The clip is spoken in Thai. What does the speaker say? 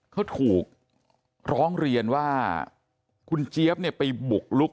เขาถูกร้องเรียนว่าคุณเจี๊ยบเนี่ยไปบุกลุก